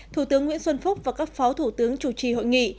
thủ tướng nguyễn xuân phúc và các phó thủ tướng chủ trì hội nghị